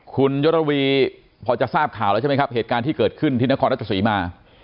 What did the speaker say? คุณยศระวีพอจะทราบข่าวแล้วใช่ไหมครับเหตุการณ์ที่เกิดขึ้นที่นครราชศรีมา